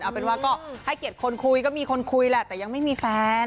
เอาเป็นว่าก็ให้เกียรติคนคุยก็มีคนคุยแหละแต่ยังไม่มีแฟน